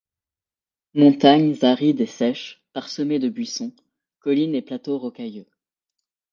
Montagnes arides et sèches, parsemées de buissons; collines et plateaux rocailleux.